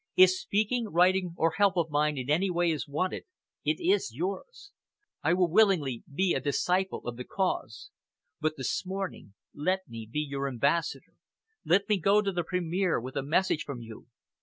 If speaking, writing, or help of mine in any way is wanted, it is yours. I will willingly be a disciple of the cause. But this morning let me be your ambassador. Let me go to the Premier with a message from you.